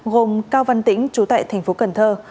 gồm cao văn tĩnh trú tại thành phố cần thơ